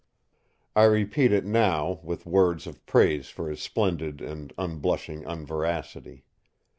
I repeat it now, with words of praise for his splendid and unblushing unveracity.